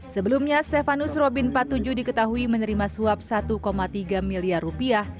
sebelumnya stefanus robin empat puluh tujuh diketahui menerima suap satu tiga miliar rupiah